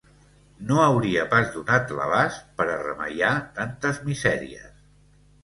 No hauria pas donat l'abast per a remeiar tantes misèries